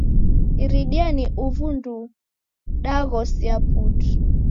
Iridia ni uvu nduu, daghosia putu.